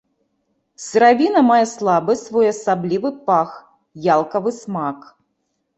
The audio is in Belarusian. Сыравіна мае слабы своеасаблівы пах, ялкавы смак.